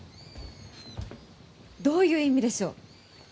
どういう意味でしょう？